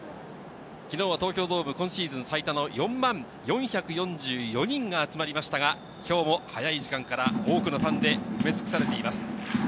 昨日は東京ドーム、今シーズン最多の４万４４４人が集まりましたが、今日も早い時間から多くのファンで埋め尽くされています。